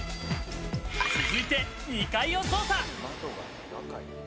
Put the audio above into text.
続いて２階を捜査。